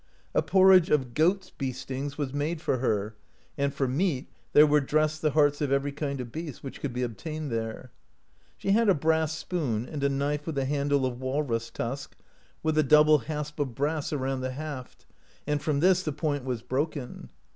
A porridge of goat's beestings was made for her, and for meat there were dressed the hearts of every kind of beast, which could be obtained there. She had a brass spoon, and a knife with a handle of walrus tusk, with a double hasp of brass around the haft, and from this the point was broken.